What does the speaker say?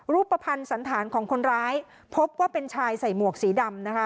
รูปภัณฑ์สันธารของคนร้ายพบว่าเป็นชายใส่หมวกสีดำนะคะ